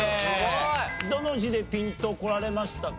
どの字でピンとこられましたか？